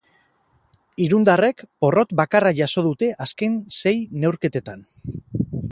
Irundarrek porrot bakarra jaso dute azken sei neurketetan.